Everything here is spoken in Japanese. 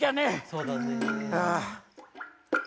そうだね。